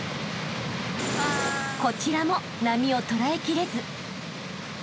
［こちらも波をとらえきれず］